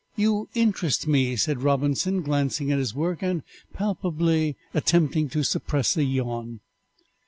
"You interest me," said Robinson, glancing at his work, and palpably attempting to suppress a yawn.